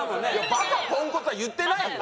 「バカ・ポンコツ」は言ってないよ。